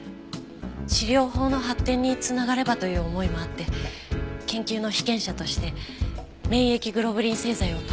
治療法の発展に繋がればという思いもあって研究の被験者として免疫グロブリン製剤を投与してもらいました。